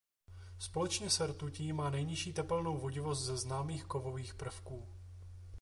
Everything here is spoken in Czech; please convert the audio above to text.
Společně se rtutí má nejnižší tepelnou vodivost ze známých kovových prvků.